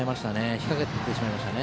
引っかけてしまいましたね。